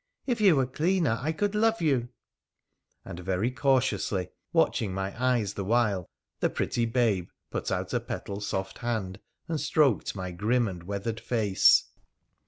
If you were cleaner I could love you '— and very cautiously, watching my eyes the while, the pretty babe put out a petal soft hand and stroked my grim and weathered face.